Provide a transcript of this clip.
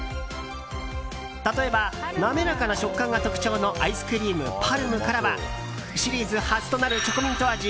例えば、滑らかな食感が特徴のアイスクリーム、パルムからはシリーズ初となるチョコミント味